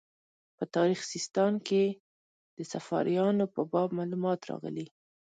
په تاریخ سیستان کې د صفاریانو په باب معلومات راغلي.